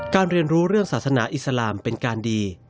เรียนรู้เรื่องศาสนาอิสลามเป็นการดี